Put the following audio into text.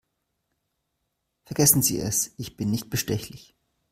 Vergessen Sie es, ich bin nicht bestechlich.